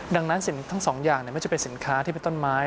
ดังนั้นศีลทั้งสองอย่างไม่ใช่สินค้าที่เป็นต้นไม้